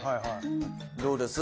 どうです？